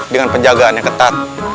dengan penjagaan yang ketat